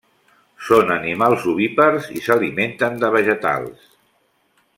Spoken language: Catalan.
Són animals ovípars, i s'alimenten de vegetals.